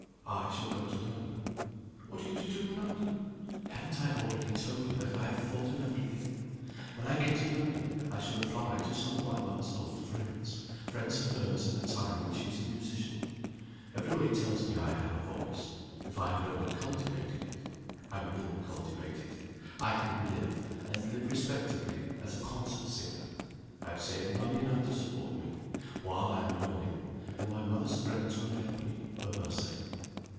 _" "I shall go to London." "What are you to do in London?" "Haven't I already told you that I have thought of every thing? When I get to London I shall apply to some of my mother's old friends friends of hers in the time when she was a musician. Every body tells me I have a voice if I had only cultivated it. I will cultivate it! I can live, and live respectably, as a concert singer. I have saved money enough to support me, while I am learning and my mother's friends will help me, for her sake."